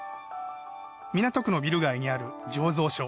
港区のビル街にある醸造所。